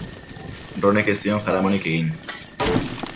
Ronek ez zion jaramonik egin.